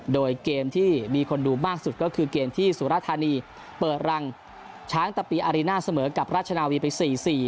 โดยเกมที่มีคนดูมากสุดก็คือเกมที่สุรธานีเปิดรังช้างตะปีอารีน่าเสมอกับราชนาวีไป๔๔